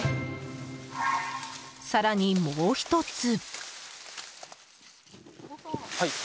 更に、もう１つ。